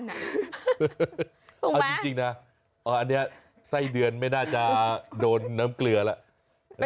เอาจริงนะอันนี้ไส้เดือนไม่น่าจะโดนน้ำเกลือแล้ว